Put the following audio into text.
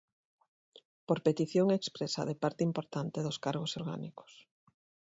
Por petición expresa de parte importante dos cargos orgánicos.